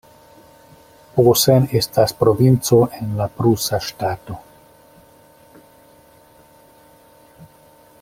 Posen estas provinco en la prusa ŝtato.